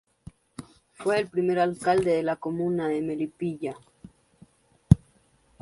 Fue el primer alcalde de la comuna de Melipilla.